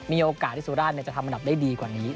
มีโอกาสที่สุราชจะทำอันดับได้ดีกว่านี้